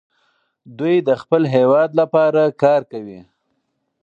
دوی د خپل هېواد لپاره کار کوي.